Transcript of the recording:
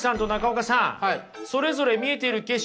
それぞれ見えている景色